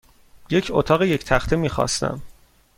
یک اتاق یک تخته میخواستم.